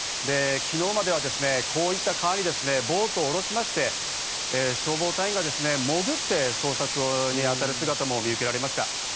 昨日までは、こういった川にボートをおろしまして、消防隊員が潜って捜索にあたる姿も見受けられました。